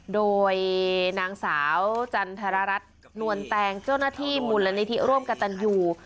โดยนางสาวจันทรรรัชนวนแตงเจ้าหน้าที่หมุนและนิทิร่วมกับตนอยู่